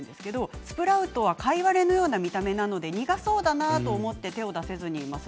スプラウトは貝割れのような見た目なので苦そうだなと思って手を出せずにいます。